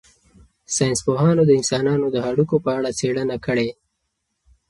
ساینس پوهانو د انسانانو د هډوکو په اړه څېړنه کړې.